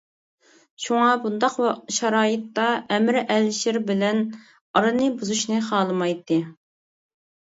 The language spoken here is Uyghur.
شۇڭا بۇنداق شارائىتتا، ئەمىر ئەلىشىر بىلەن ئارىنى بۇزۇشنى خالىمايتتى.